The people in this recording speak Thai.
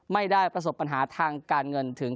ไม่ได้ประสบปัญหาทางการเงินถึง